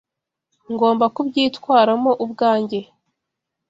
Ngomba kubyitwaramo ubwanjye.